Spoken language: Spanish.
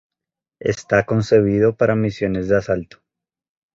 Está concebido para misiones de asalto.